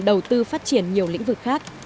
đầu tư phát triển nhiều lĩnh vực khác